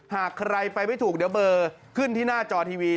หากใครไปไม่ถูกเดี๋ยวเบอร์ขึ้นที่หน้าจอทีวี